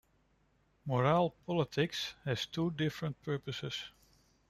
"Moral Politics" has two different purposes.